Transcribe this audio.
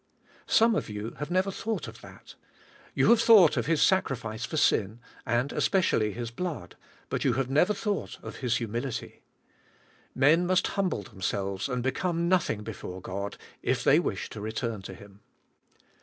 Some of you never thought of that. You have thought of His sacrifice for sin, and especially His blood, but you have never thought of His hu mility. Men must humble themselves and become nothing before God if they wish to return to Him.